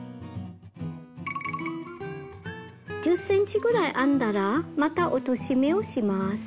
１０ｃｍぐらい編んだらまた落とし目をします。